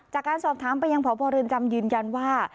จากการสอบถามไปยังพบเรือนจำยืนยันว่า